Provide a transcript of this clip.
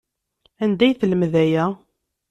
Anda ay telmed aya?